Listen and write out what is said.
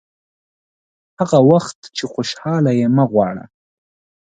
هغه وخت چې خوشاله یې مه غواړه.